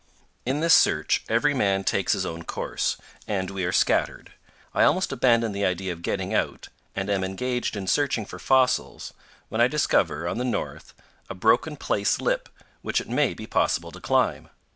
In this search every man takes his own course, and we are scattered. I almost abandon the idea of getting out and am engaged in searching for fossils, when I discover, on the north, a broken place lip which it may be possible to climb.